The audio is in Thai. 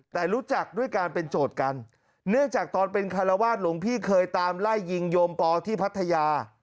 แต่รู้จักด้วยการเป็นโจทย์กันเนื่องจากตอนเป็นคารวาสหลวงพี่เคยตามไล่ยิงโยมปอที่พัทยา